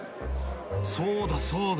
そうだそうだ。